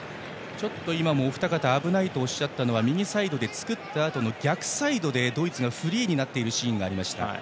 お二方、危ないとおっしゃったのは右サイドで作ったあとの逆サイドでドイツがフリーになるシーンがありました。